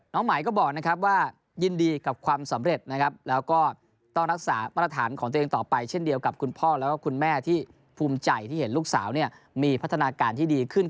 หมายก็บอกนะครับว่ายินดีกับความสำเร็จนะครับแล้วก็ต้องรักษามาตรฐานของตัวเองต่อไปเช่นเดียวกับคุณพ่อแล้วก็คุณแม่ที่ภูมิใจที่เห็นลูกสาวเนี่ยมีพัฒนาการที่ดีขึ้น